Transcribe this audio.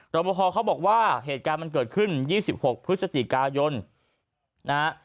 ประพอเขาบอกว่าเหตุการณ์มันเกิดขึ้น๒๖พฤศจิกายนนะฮะ